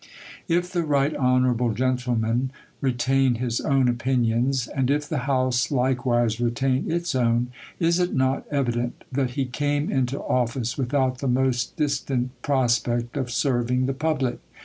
If the Right Honorable Gentleij^ian retain his own opin ions, and if the house likewise retain its own, is it not evident that he came into office without the most dis tant prospect of serving the public